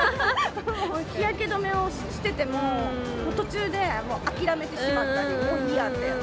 日焼け止めをしてても、途中で諦めてしまったり、もういいやって。